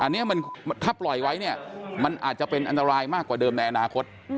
ถ้าปล่อยไว้มันอาจจะเป็นอันตรายมากกว่าเดิมในอนาคต